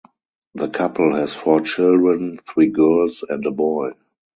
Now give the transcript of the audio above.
The couple has four children, three girls and a boy.